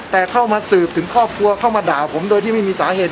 แต่เข้ามาสืบถึงครอบครัวเข้ามาด่าผมโดยที่ไม่มีสาเหตุ